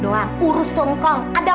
lo kok berhenti sih kenapa